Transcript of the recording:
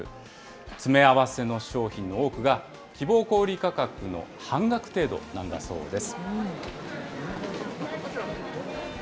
詰め合わせの商品の多くが、希望小売価格の半額程度なんだそうです。